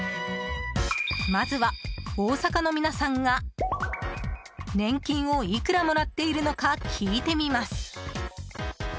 まずは大阪の皆さんが年金をいくらもらっているのか聞いてみます。